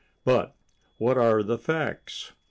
But what are the facts?